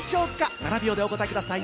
７秒でお答えください。